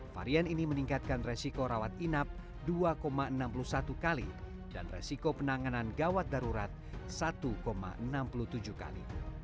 varian ini meningkatkan resiko rawat inap dua enam puluh satu kali dan resiko penanganan gawat darurat satu enam puluh tujuh kali